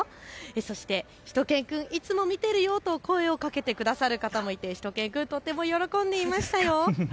そしてしゅと犬くん、いつも見てるよと声をかけてくださる方もいてしゅと犬くん、とても喜んでいました。